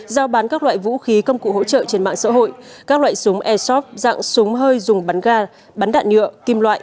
giao bán các loại vũ khí công cụ hỗ trợ trên mạng xã hội các loại súng airsoft dạng súng hơi dùng bắn ga bắn đạn nhựa kim loại